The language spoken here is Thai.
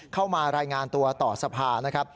เข้ามารายงานตัวต่อสภานะครับ